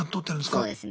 そうですね。